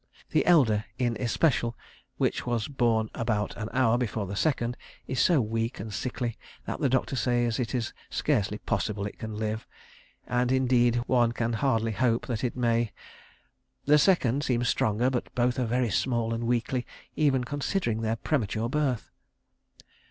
The elder in especial, which was born about an hour before the second, is so weak and sickly, that the doctor says it is scarcely possible it can live, and, indeed, one can hardly hope that it may. The second seems stronger, but both are very small and weakly even considering their premature birth.